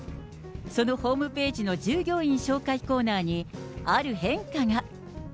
そのホームページの従業員紹介コーナーに、ある変化が。